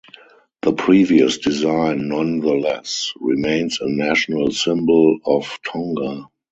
The previous design, nonetheless, remains a national symbol of Tonga.